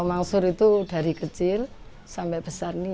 mansyur itu dari kecil sampai besar nih